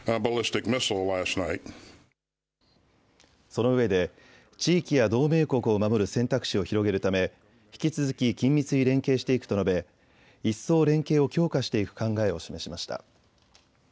そのうえで地域や同盟国を守る選択肢を広げるため引き続き緊密に連携していくと述べ、一層、連携を強化していく考えを示しました。